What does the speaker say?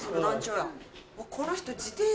この人。